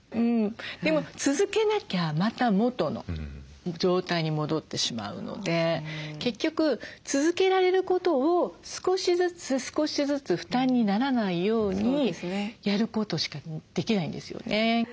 でも続けなきゃまた元の状態に戻ってしまうので結局続けられることを少しずつ少しずつ負担にならないようにやることしかできないんですよね。